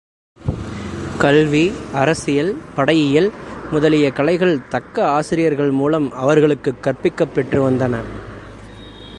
கல்வி, அரசியல், படையியல் முதலிய கலைகள் தக்க ஆசிரியர்கள் மூலம் அவர்களுக்குக் கற்பிக்கப் பெற்று வந்தன.